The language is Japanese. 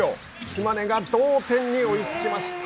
島根が同点に追いつきました。